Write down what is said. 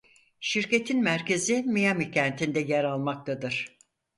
Şirketin merkezi Miami kentinde yer almaktadır.